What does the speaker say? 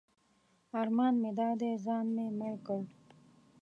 ارمان مې دا دی ځان مې مړ کړ.